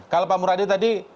kalau pak muradi tadi